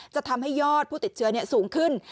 จะทำให้ยอดผู้ติดเชื้อสูงขึ้น